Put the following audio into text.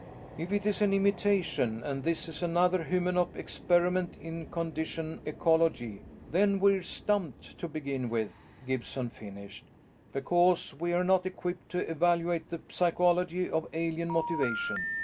"If it's an imitation, and this is another Hymenop experiment in condition ecology, then we're stumped to begin with," Gibson finished. "Because we're not equipped to evaluate the psychology of alien motivation.